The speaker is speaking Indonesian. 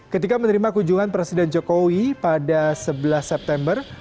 ketika menerima kunjungan presiden jokowi pada sebelas september